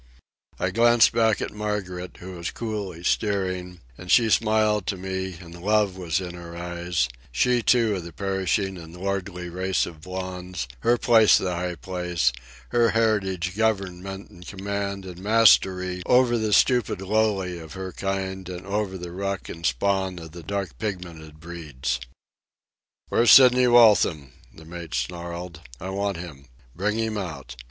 I glanced back at Margaret, who was coolly steering, and she smiled to me, and love was in her eyes—she, too, of the perishing and lordly race of blonds, her place the high place, her heritage government and command and mastery over the stupid lowly of her kind and over the ruck and spawn of the dark pigmented breeds. "Where's Sidney Waltham?" the mate snarled. "I want him. Bring him out.